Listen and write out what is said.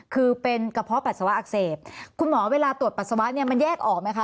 คือเป็นกระเพาะปัสสาวะอักเสบคุณหมอเวลาตรวจปัสสาวะเนี่ยมันแยกออกไหมคะ